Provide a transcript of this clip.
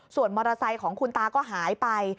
ส่วนมอเตอร์ไซค์ของคุณตาก็หายไป